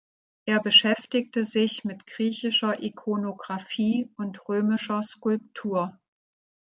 Er beschäftigte sich mit griechischer Ikonographie und römischer Skulptur.